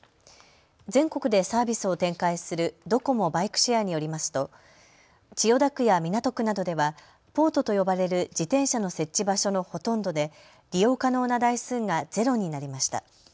全国でサービスを展開するドコモ・バイクシェアによりますと千代田区や港区などではポートと呼ばれる自転車の設置場所のほとんどで利用可能な台数が０になりました。